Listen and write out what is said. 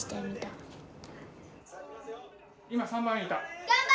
今３番いった！